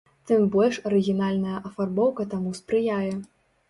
Тым больш арыгінальная афарбоўка таму спрыяе.